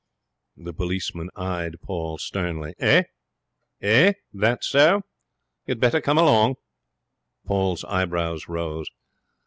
The policeman eyed Paul sternly. 'Eh?' he said. 'That so? You'd better come along.' Paul's eyebrows rose.